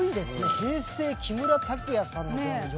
平成木村拓哉さんのドラマ４